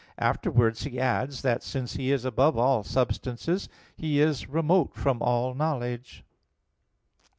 Afterwards he adds that, "since He is above all substances, He is remote from all knowledge."